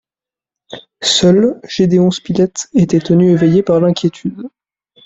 Seul, Gédéon Spilett était tenu éveillé par l’inquiétude